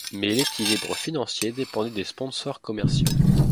Mais l'équilibre financier dépendait des sponsors commerciaux.